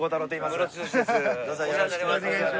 お世話になります。